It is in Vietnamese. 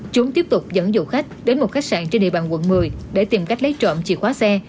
chúng tiếp tục dẫn dụ khách đến một khách sạn trên địa bàn quận một mươi để tìm cách lấy trộm chìa khóa xe